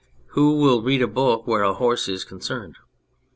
Who will read a book where a horse is concerned